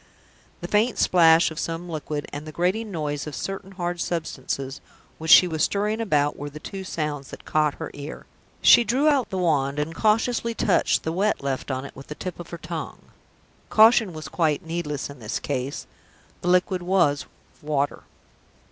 The faint splash of some liquid, and the grating noise of certain hard substances which she was stirring about, were the two sounds that caught her ear. She drew out the wand, and cautiously touched the wet left on it with the tip of her tongue. Caution was quite needless in this case. The liquid was water.